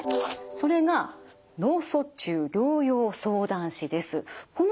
それが脳卒中療養相談士です。